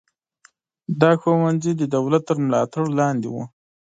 دا ښوونځي د دولت تر ملاتړ لاندې وو.